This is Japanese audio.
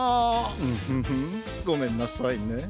ウフフごめんなさいね。